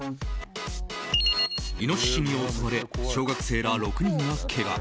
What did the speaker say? イノシシに襲われ小学生ら６人がけが。